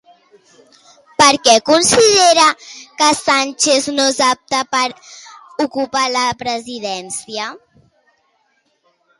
Per què considera que Sánchez no és apte per a ocupar la presidència?